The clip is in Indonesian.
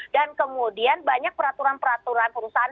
dan kemudian banyak peraturan peraturan perusahaan